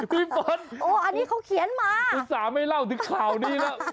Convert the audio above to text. พี่บอลโอ้อันนี้เขาเขียนมาติสาไม่เล่าถึงข่าวนี้แล้ว